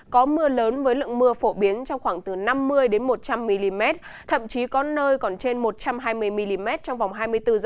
có mưa lớn với lượng mưa phổ biến trong khoảng từ năm mươi một trăm linh mm thậm chí có nơi còn trên một trăm hai mươi mm trong vòng hai mươi bốn h